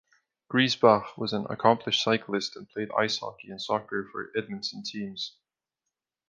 Griesbach was an accomplished cyclist and played ice hockey and soccer for Edmonton teams.